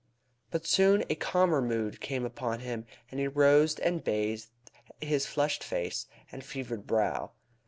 But soon a calmer mood came upon him, and he rose and bathed his flushed face and fevered brow.